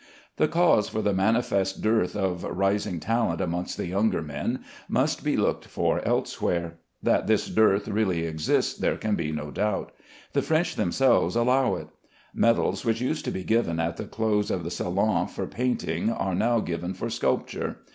The cause for the manifest dearth of rising talent amongst the younger men must be looked for elsewhere. That this dearth really exists there can be no doubt. The French themselves allow it. Medals which used to be given at the close of the Salon for painting are now given for sculpture.